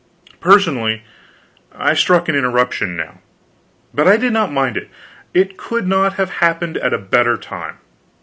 Personally, I struck an interruption, now, but I did not mind it, it could not have happened at a better time.